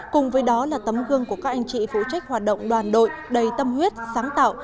cùng với đó là tấm gương của các anh chị phụ trách hoạt động đoàn đội đầy tâm huyết sáng tạo